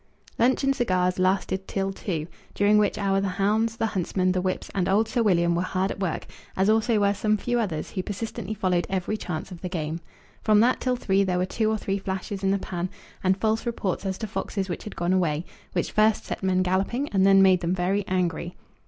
Lunch and cigars lasted till two, during which hour the hounds, the huntsmen, the whips, and old Sir William were hard at work, as also were some few others who persistently followed every chance of the game. From that till three there were two or three flashes in the pan, and false reports as to foxes which had gone away, which first set men galloping, and then made them very angry.